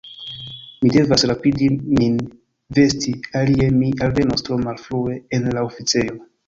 Mi devas rapidi min vesti, alie mi alvenos tro malfrue en la oficejo.